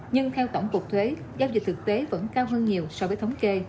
nhưng theo tổng cục thuế giao dịch thực tế vẫn cao hơn nhiều so với thống kê